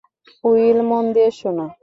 Will, মন দিয়ে শোনো।